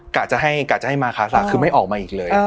กะจะให้มาคาสระคือไม่ออกมาอีกเลย